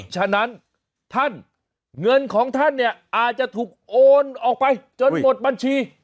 ฉะนั้นท่านเงินของท่านเนี่ยอาจจะถูกโอนออกไปจนหมดบัญชี